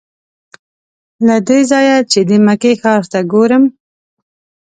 له دې ځایه چې د مکې ښار ته ګورم.